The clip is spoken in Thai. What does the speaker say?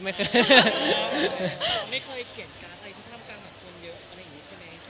ไม่เคยเขียนสิทธิ์ทำการกับคนเยอะ